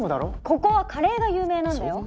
ここはカレーが有名なんだよ！